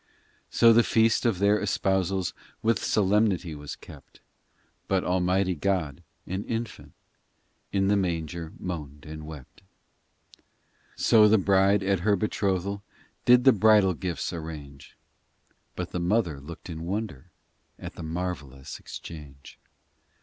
IV So the feast of their espousals With solemnity was kept; But Almighty God, an infant ; In the manger moaned and wept. v So the bride at her betrothal Did the bridal gifts arrange ; But the Mother looked in wonder At the marvellous exchange.